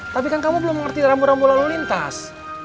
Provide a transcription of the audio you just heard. tapi kan kamu belum mengerti rambu rambu lalu lintas